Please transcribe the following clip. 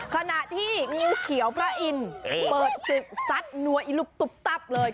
ขณะที่งูเขียวพระอินทร์เปิดศึกซัดนัวอิลุกตุ๊บตับเลย